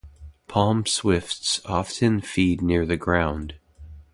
Palm swifts often feed near the ground.